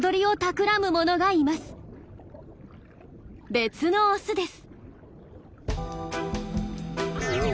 別のオスです。